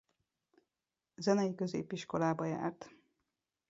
Zenei középiskolába járt.